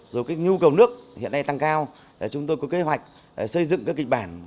rồi cái nhu cầu nước hiện nay tăng cao chúng tôi có kế hoạch xây dựng các kịch bản